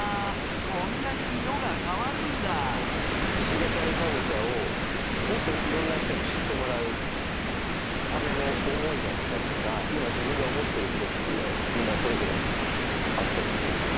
こんなに色が変わるんだ鹿ケ谷かぼちゃをもっといろんな人に知ってもらうための思いだったりとか今自分が思ってることっていうのをみんなそれぞれあったりする？